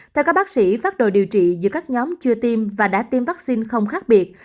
theo các bác sĩ phát đồ điều trị giữa các nhóm chưa tiêm và đã tiêm vaccine không khác biệt